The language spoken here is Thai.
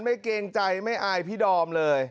เกรงใจไม่อายพี่ดอมเลย